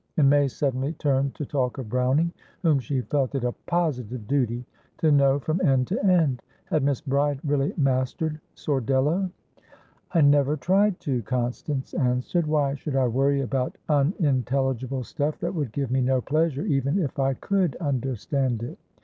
And May suddenly turned to talk of Browning, whom she felt it a "positive duty" to know from end to end. Had Miss Bride really mastered "Sordello?" "I never tried to," Constance answered. "Why should I worry about unintelligible stuff that would give me no pleasure even if I could understand it?"